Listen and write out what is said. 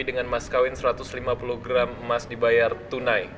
dengan mas kawin satu ratus lima puluh gram emas dibayar tunai